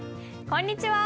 こんにちは。